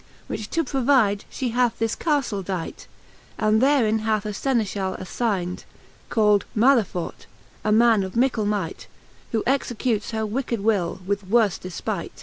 Which to provide, fhe hath this Caftle dight, And therein hath a Senefchall adynd, Cald Maleffortf a man of mickle might, Who executes her wicked will, with worfe defpight..